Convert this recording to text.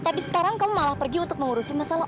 tapi sekarang kamu malah pergi untuk mengurusi masalah